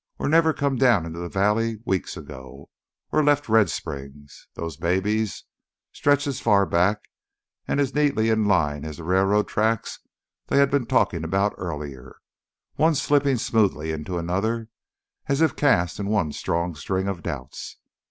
Or never come down into the valley weeks ago ... or left Red Springs.... Those "maybes" stretched as far back and as neatly in line as the railroad tracks they had been talking about earlier, one slipping smoothly into another as if cast in one strong string of doubts.